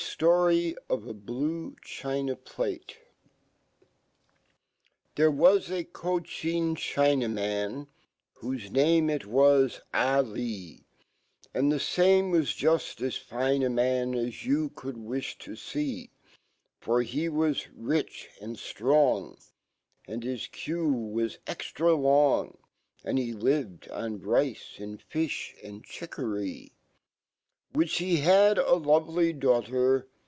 Story of a Blue China Plate p. iLV PLATE There was a Cchin Chinaman , \Vhosc name it was Ah Lee/, j. \nd the fame wa$ juft as fine a man As you could wiflh. tptee , For hewa$ rich and flrong, And hi* queuewa? extra long, And he 1 i ved on vice and filh and chiccory ^4i ^ Which ne had alovoly daughter